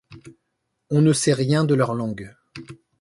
On ne sait rien de leur langue.